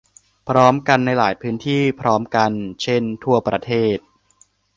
พร้อมกันในหลายพื้นที่พร้อมกัน เช่น ทั่วประเทศ